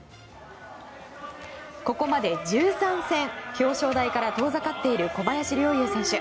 ここまで１３戦表彰台から遠ざかっている小林陵侑選手。